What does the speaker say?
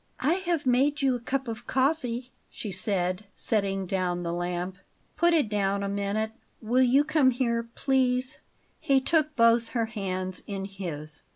"I have made you a cup of coffee," she said, setting down the lamp. "Put it down a minute. Will you come here, please." He took both her hands in his.